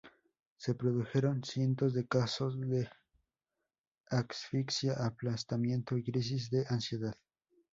Se produjeron cientos de casos de asfixia, aplastamiento y crisis de ansiedad.